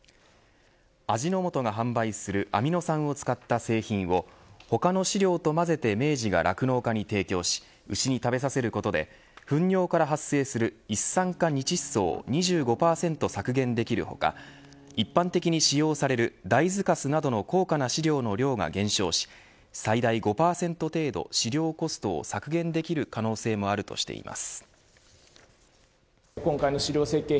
味の素が販売するアミノ酸を使った製品を他の飼料と混ぜて明治が酪農家に提供し牛に食べさせるとことでふん尿から発生する一酸化二窒素を２５％削減できる他一般的に使用される大豆かすなどの高価な飼料の量が減少し最大５％程度飼料コストを削減できる可能性もあるとしています。